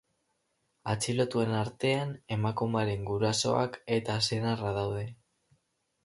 Atxilotuen artean emakumearen gurasoak eta senarra daude.